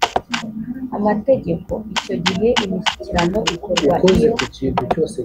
amategeko icyo gihe imishyikirano ikorwa iyo